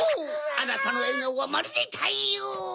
あなたのえがおはまるでたいよう！